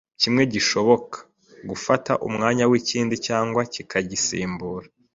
Kimwe gishobora gufata umwanya w’ikindi cyangwa kikagisimbura